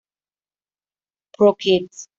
Pro Kids.